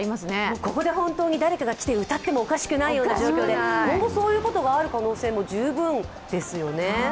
ここで本当に誰かが来て歌ってもおかしくない状況で、今後そういうことがある可能性も十分ですよね。